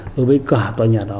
đối với cả tòa nhà đó